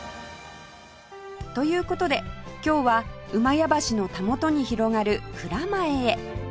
という事で今日は厩橋のたもとに広がる蔵前へ